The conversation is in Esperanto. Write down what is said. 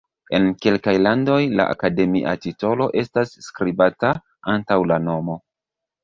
En kelkaj landoj la akademia titolo estas skribata antaŭ la nomo.